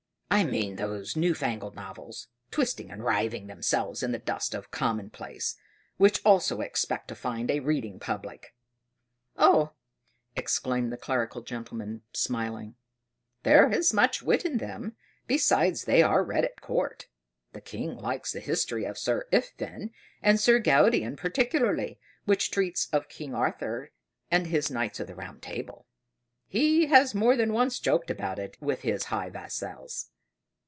"I mean those new fangled novels, twisting and writhing themselves in the dust of commonplace, which also expect to find a reading public." "Oh," exclaimed the clerical gentleman smiling, "there is much wit in them; besides they are read at court. The King likes the history of Sir Iffven and Sir Gaudian particularly, which treats of King Arthur, and his Knights of the Round Table; he has more than once joked about it with his high vassals."